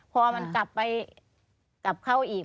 พอมันกลับไปกลับเข้าอีก